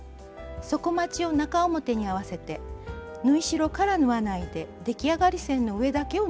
底まちを中表に合わせて縫い代から縫わないで出来上がり線の上だけを縫います。